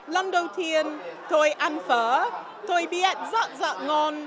lần đầu tiên tôi ăn phở tôi biết rất rất ngon